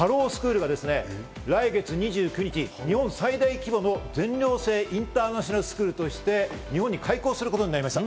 ハロウスクールが来月２９日、日本最大規模の全寮制インターナショナルスクールとして日本に開校することになりました。